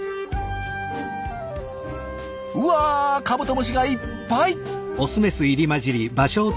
うわカブトムシがいっぱい！